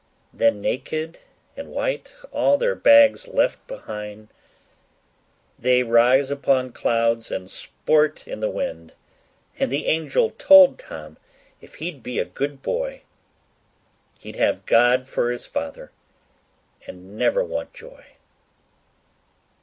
Then naked and white, all their bags left behind, They rise upon clouds, and sport in the wind: And the angel told Tom, if he'd be a good boy, He'd have God for his father, and never want joy.